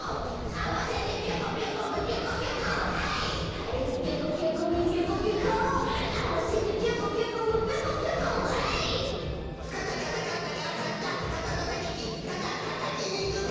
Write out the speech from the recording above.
「ハイ！」「ハイ！」かたかたかったからかったかたたたききかたたたきにくかった！